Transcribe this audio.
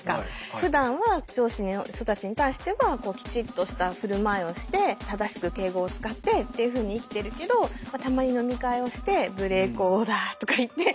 ふだんは上司の人たちに対してはきちっとした振る舞いをして正しく敬語を使ってっていうふうに生きてるけどたまに飲み会をして「無礼講だ」とか言ってはめを外すっていうことをすると何かもう一回